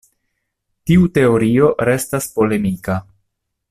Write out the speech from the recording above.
Tiu teorio restas polemika.